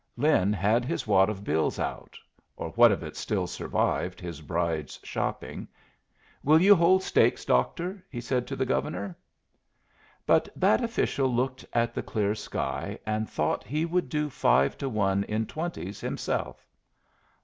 Lin had his wad of bills out or what of it still survived his bride's shopping. "Will you hold stakes, doctor?" he said to the Governor. But that official looked at the clear sky, and thought he would do five to one in twenties himself.